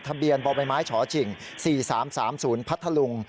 ทะเบียนบอบไม้ไม้ฉอจิ่ง๔๓๓๐พัทธลุง